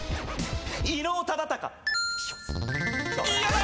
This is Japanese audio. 伊能忠敬。